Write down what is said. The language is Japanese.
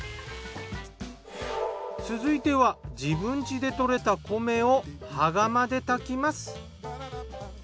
続いては自分家で採れた米を羽釜で炊きます。